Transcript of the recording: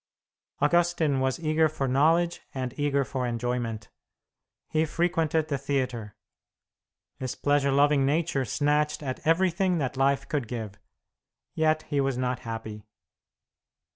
Augustine was eager for knowledge and eager for enjoyment. He frequented the theatre; his pleasure loving nature snatched at everything that life could give; yet he was not happy.